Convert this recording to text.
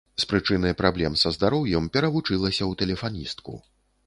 З прычыны праблем са здароўем перавучылася ў тэлефаністку.